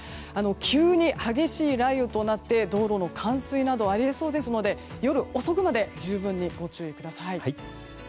急に激しい雷雨となって道路の冠水などがあり得そうですので夜遅くまでご注意ください。